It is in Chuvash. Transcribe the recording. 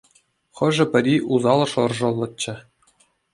Хӑшӗ-пӗри усал шӑршӑллӑччӗ.